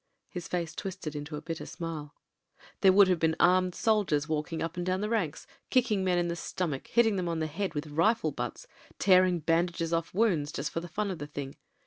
His face twisted into a bitter smile. "There would have been armed soldiers walking up and down the ranks, kicking men in the stomach, hitting them on the head with rifle butts, tearing bandages off wounds — just for the fmi of the thing.